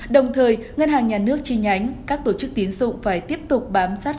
đồng thời ngân hàng nhà nước chi nhánh các tổ chức tiến dụng phải tiếp tục bám sát